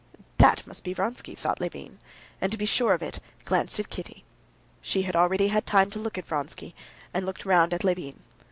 "That must be Vronsky," thought Levin, and, to be sure of it, glanced at Kitty. She had already had time to look at Vronsky, and looked round at Levin.